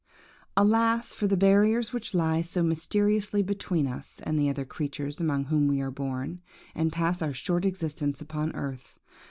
Alas, for the barriers which lie so mysteriously between us and the other creatures among whom we are born, and pass our short existence upon earth!